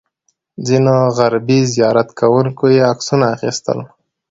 ځینو غربي زیارت کوونکو یې عکسونه اخیستل.